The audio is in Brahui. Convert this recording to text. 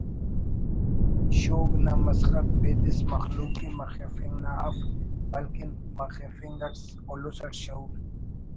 شوگ نا مسخت بیدس مخلوق ءِ مخفنگ نا اف بلکن مخفنگ اٹ الس اٹ شعور